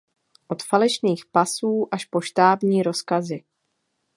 Od falešných pasů až po štábní rozkazy.